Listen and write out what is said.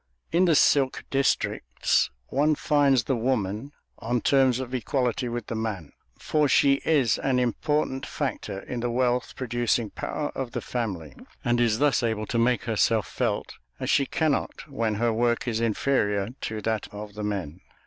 In the silk districts one finds the woman on terms of equality with the man, for she is an important factor in the wealth producing power of the family, and is thus able to make herself felt as she cannot when her work is inferior to that of the men.